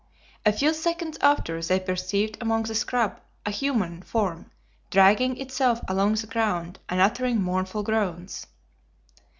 A few seconds after they perceived among the scrub a human form dragging itself along the ground and uttering mournful groans.